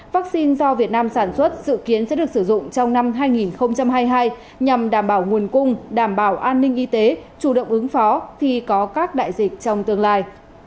vaccine do việt nam sản xuất dự kiến sẽ được sử dụng trong năm hai nghìn hai mươi hai nhằm đảm bảo nguồn cung đảm bảo an ninh y tế chủ động ứng phó khi có các đại dịch trong tương lai